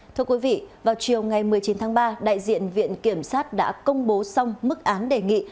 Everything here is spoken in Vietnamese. thưa quý vị vào chiều ngày một mươi chín tháng ba đại diện viện kiểm sát đã công bố xong mức án đề nghị